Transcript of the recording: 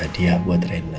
adiknya buat rena